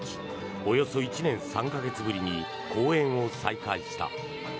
およそ１年３か月ぶりに公演を再開した。